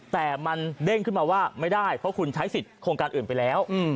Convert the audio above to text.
แต่มันเด้งขึ้นมาว่าไม่ได้เพราะคุณใช้สิทธิ์โครงการอื่นไปแล้ว